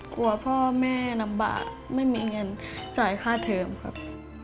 กลัวพ่อแม่ลำบากไม่มีเงินจ่ายค่าเทิมครับ